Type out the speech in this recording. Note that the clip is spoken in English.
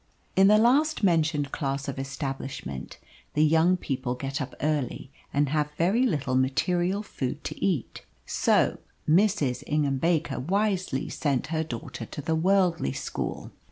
In the last mentioned class of establishment the young people get up early and have very little material food to eat. So Mrs. Ingham Baker wisely sent her daughter to the worldly school.